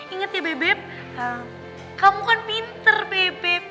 ingat ya bebep kamu kan pinter bebe